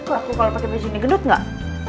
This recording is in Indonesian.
kok aku kalo pake baju ini gendut gak